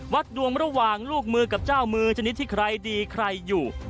ดวงระหว่างลูกมือกับเจ้ามือชนิดที่ใครดีใครอยู่